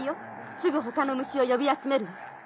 すぐ他の蟲を呼び集めるわ。